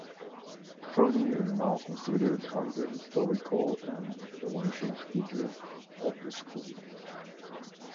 Prony is now considered as a historical and influential figure of the school.